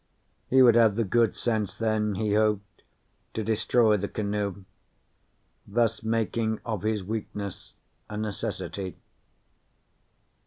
He would have the good sense then, he hoped, to destroy the canoe, thus making of his weakness a necessity.